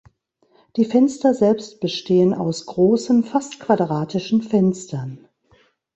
Die Fenster selbst bestehen aus großen fast quadratischen Fenstern.